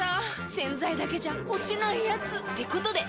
⁉洗剤だけじゃ落ちないヤツってことで。